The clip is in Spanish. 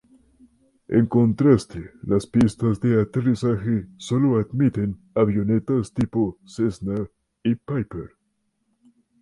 En contraste, las pistas de aterrizaje solo admiten avionetas tipo Cessna y Piper.